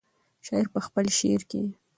شاعر په خپل شعر کې.